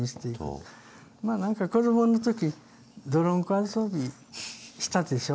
まあ何か子供の時泥んこ遊びしたでしょ？